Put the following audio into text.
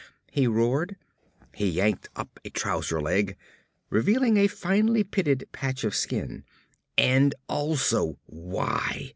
he roared. He yanked up a trouser leg, revealing a finely pitted patch of skin. "And also why!"